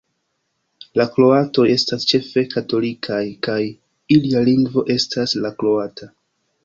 La kroatoj estas ĉefe katolikaj, kaj ilia lingvo estas la kroata.